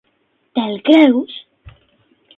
Te'l creus?